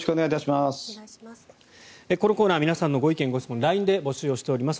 このコーナー皆さんのご意見・ご質問をＬＩＮＥで募集しております。